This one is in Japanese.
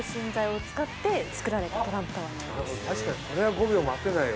確かにこれは５秒待てないわ。